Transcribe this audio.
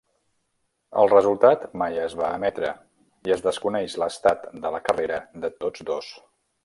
El resultat mai es va emetre, i es desconeix l'estat de la carrera de tots dos.